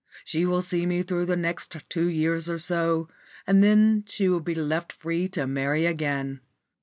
She will see me through the next two years or so, and then she will be left free to marry again.